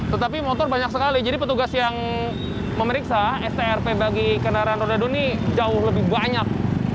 tetapi motor banyak sekali jadi petugas yang memeriksa strp bagi kendaraan roda dua ini jauh lebih banyak